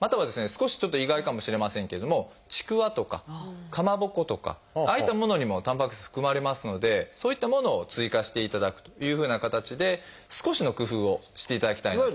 少しちょっと意外かもしれませんけれどもちくわとかかまぼことかああいったものにもたんぱく質含まれますのでそういったものを追加していただくというふうな形で少しの工夫をしていただきたいなと。